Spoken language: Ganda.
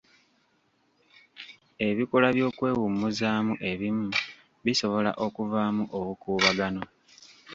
Ebikolwa by'okwewummuzaamu ebimu bisobola okuvaamu obukuubagano.